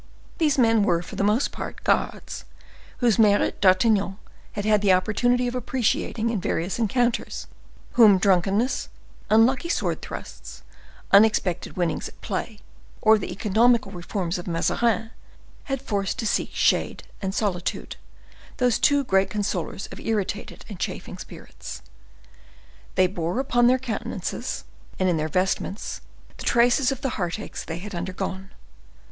These men were, for the most part, guards, whose merit D'Artagnan had had an opportunity of appreciating in various encounters, whom drunkenness, unlucky sword thrusts, unexpected winnings at play, or the economical reforms of Mazarin, had forced to seek shade and solitude, those two great consolers of irritated and chafing spirits. They bore upon their countenances and in their vestments the traces of the heartaches they had undergone.